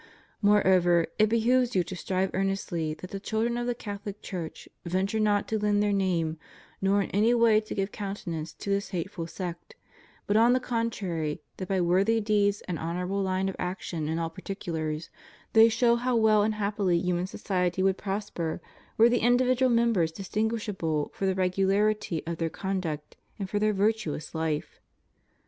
Moreover, it be hooves you to strive earnestly that the children of the Catholic Church venture not to lend their name, nor in any way to give countenance to this hateful sect, but on the contrary that by worthy deeds and honorable line of action in all particulars, they show how well and happily human society would prosper were the individual members distinguishable for the regularity of their conduct and for their virtuous hfe.